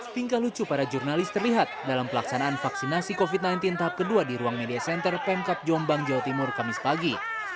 tingkah lucu para jurnalis terlihat dalam pelaksanaan vaksinasi covid sembilan belas tahap kedua di ruang media center pemkap jombang jawa timur kamis pagi